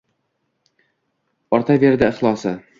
Ortaverdi ixlosi.